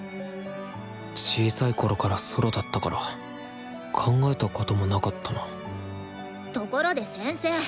小さいころからソロだったから考えたこともなかったなところで先生。